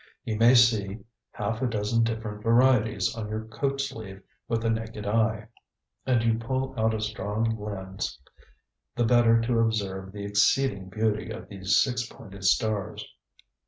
You may see half a dozen different varieties on your coat sleeve with the naked eye, and you pull out a strong lens the better to observe the exceeding beauty of these six pointed stars.